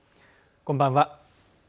こんばんは。